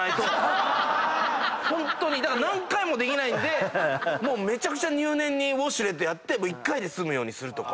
何回もできないんでめちゃくちゃ入念にウォシュレットやって１回で済むようにするとか。